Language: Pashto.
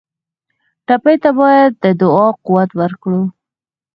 ټپي ته باید د دعا قوت ورکړو.